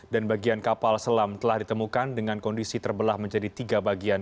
dan bagian kapal selam telah ditemukan dengan kondisi terbelah menjadi tiga bagian